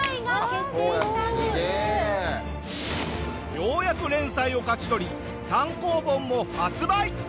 ようやく連載を勝ち取り単行本も発売！